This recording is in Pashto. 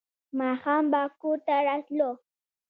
ماښام به کور ته راتلو.